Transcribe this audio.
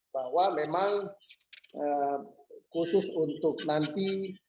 bahwa memang khusus untuk nanti